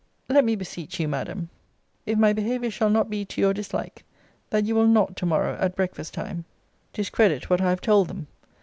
] let me beseech you, Madam, if my behaviour shall not be to your dislike, that you will not to morrow, at breakfast time, discredit what I have told them.